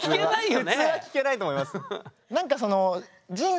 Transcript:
普通は聞けないと思います。